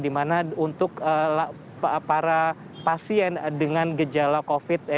di mana untuk para pasien dengan gejala covid sembilan belas